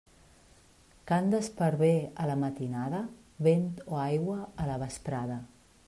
Cant d'esparver a la matinada, vent o aigua a la vesprada.